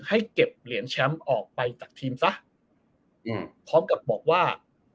ให้เก็บเหรียญแชมป์ออกไปจากทีมซะอืมพร้อมกับบอกว่า